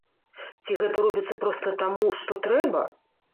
Ці гэта робіцца проста таму, што трэба?